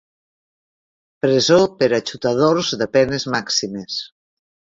Presó per a xutadors de penes màximes.